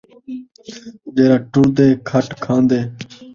جیڑھا ٹُردے ، کھٹ کھان٘دے